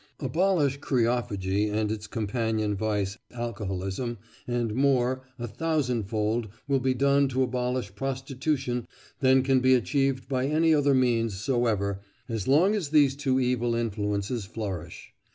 Abolish kreophagy and its companion vice, alcoholism, and more, a thousandfold, will be done to abolish prostitution than can be achieved by any other means soever as long as these two evil influences flourish.